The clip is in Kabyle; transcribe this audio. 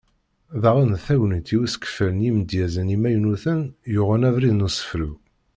Daɣen d tagnit i usekfel n yimedyazen imaynuten yuɣen abrid n usefru.